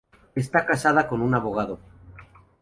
Está casada con un abogado.